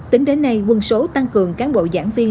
tính đến nay quân số tăng cường cán bộ giảng viên